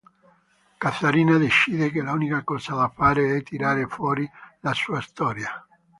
Katharina decide che l'unica cosa da fare è tirare fuori la sua storia.